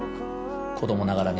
子供ながらに。